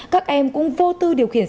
các em cũng vô tư điều khiển